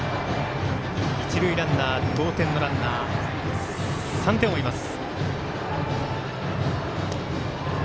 一塁ランナー同点のランナー、３点を追います。